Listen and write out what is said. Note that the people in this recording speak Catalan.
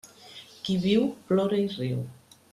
Qui viu, plora i riu.